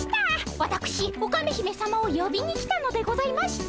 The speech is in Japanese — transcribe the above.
わたくしオカメ姫さまをよびに来たのでございました。